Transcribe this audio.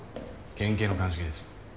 県警の鑑識です。